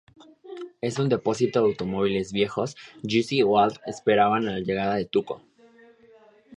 En un depósito de automóviles viejos, Jesse y Walt esperan la llegada de Tuco.